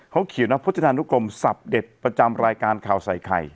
เขาขีบนะว่าโภชนาธุกรมสับเด็ดประจำรายการข่าวใส่ไข่